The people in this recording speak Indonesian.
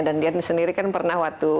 dan dia sendiri kan pernah waktu